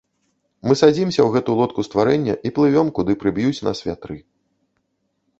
Мы садзімся ў гэту лодку стварэння і плывём, куды прыб'юць нас вятры.